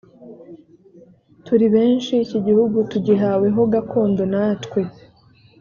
turi benshi iki gihugu tugihawe ho gakondo natwe